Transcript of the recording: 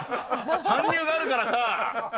搬入があるからさ。